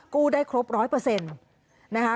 กู้ได้ครบร้อยเปอร์เซ็นต์นะฮะ